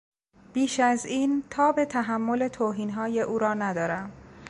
بیش از این تاب تحمل توهینهای او را ندارم.